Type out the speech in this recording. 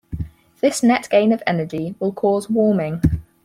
This net gain of energy will cause warming.